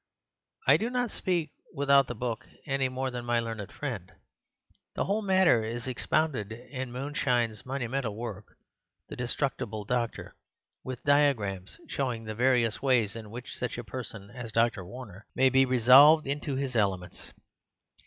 I do not speak without the book, any more than my learned friend. The whole matter is expounded in Dr. Moonenschein's monumental work, 'The Destructible Doctor,' with diagrams, showing the various ways in which such a person as Dr. Warner may be resolved into his elements.